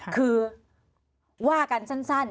คือว่ากันสั้น